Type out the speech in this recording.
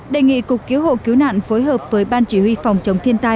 đề nghị cục cứu hộ cứu nạn phối hợp với ban chỉ huy phòng chống thiên tai